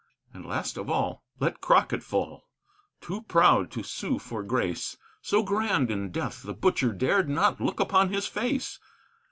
And last of all let Crockett fall, too proud to sue for grace, So grand in death the butcher dared not look upon his face.